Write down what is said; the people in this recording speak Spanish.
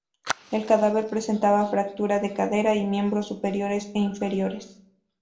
El cadáver presentaba fractura de cadera y miembros superiores e inferiores.